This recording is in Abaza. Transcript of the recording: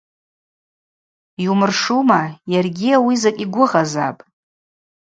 Йумыршума, йаргьи ауи закӏ йгвыгъазапӏ.